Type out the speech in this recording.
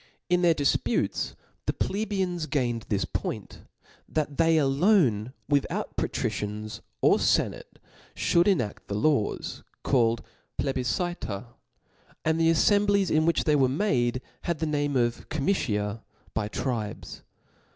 In their difputes the plebeians gained this Opionyf. point (Oj that they alone without patricianis or fe Book^Yi. nate lhou!d ^na£t the l^ws called piebifcita ; and P* 7*5' the aflcmblies in which they were made, had the name of comitia by tribes.